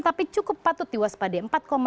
tapi cukup patut diwaspadai